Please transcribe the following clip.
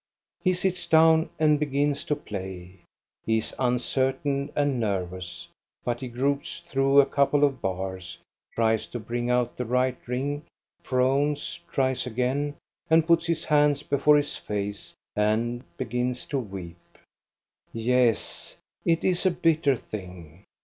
He sits down and begins to play. He is uncertain and nervous, but he gropes through a couple of bars, tries to bring out the right ring, frowns, tries again, and puts his hands before his face and begins to weep. Yes, it is a bitter thing.